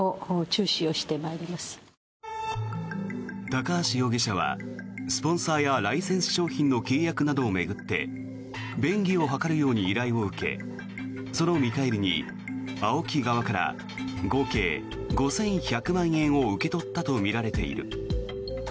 高橋容疑者はスポンサーやライセンス商品の契約などを巡って便宜を図るように依頼を受けその見返りにＡＯＫＩ側から合計５１００万円を受け取ったとみられている。